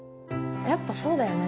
やっぱそうだよね